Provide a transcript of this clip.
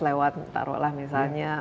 lewat taruh lah misalnya